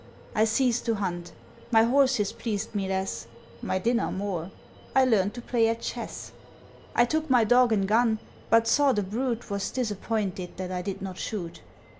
I ceased to hunt; my horses pleased me less, My dinner more; I learned to play at chess. I took my dog and gun, but saw the brute Was disappointed that I did not shoot.